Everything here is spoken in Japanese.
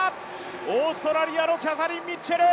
オーストラリアのキャサリン・ミッチェル。